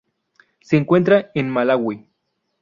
Se encuentra en Malaui.